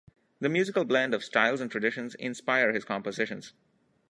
This musical blend of styles and traditions inspire his compositions.